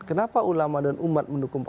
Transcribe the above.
kenapa ulama dan umat mendukungnya